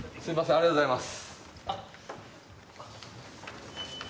ありがとうございます